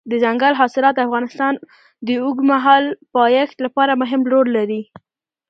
دځنګل حاصلات د افغانستان د اوږدمهاله پایښت لپاره مهم رول لري.